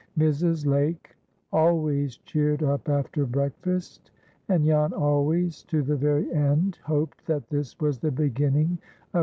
Mrs. Lake always cheered up after breakfast, and Jan always to the very end hoped that this was the beginning of her getting better.